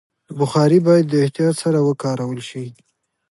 بخاري باید د احتیاط سره وکارول شي.